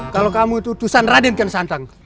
kalau kamu itu utusan raden kiyong santang